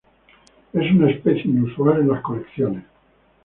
Es una especie inusual en las colecciones.